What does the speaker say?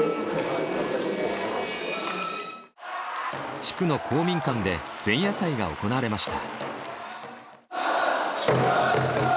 地区の公民館で前夜祭が行われました。